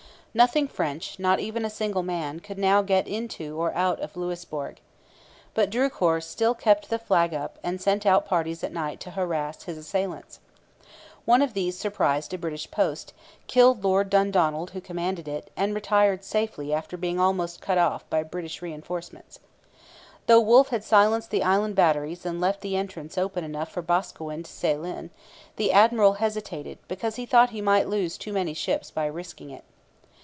Nothing French, not even a single man, could now get into or out of Louisbourg. But Drucour still kept the flag up, and sent out parties at night to harass his assailants. One of these surprised a British post, killed Lord Dundonald who commanded it, and retired safely after being almost cut off by British reinforcements. Though Wolfe had silenced the island batteries and left the entrance open enough for Boscawen to sail in, the admiral hesitated because he thought he might lose too many ships by risking it.